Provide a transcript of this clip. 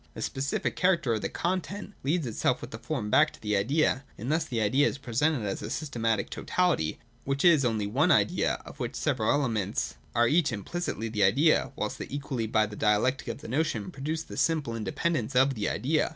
This specific character, or the content, leads itself with the form back to the idea ; 243 244 ] THE ABSOLUTE IDEA. 379 and thus the idea is presented as a systematic totaHty which is only one idea, of which the several elements are each implicitly the idea, whilst they equally by the dialectic of the notion produce the simple independence of the idea.